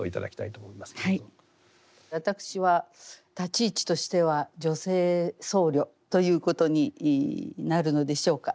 私は立ち位置としては女性僧侶ということになるのでしょうか。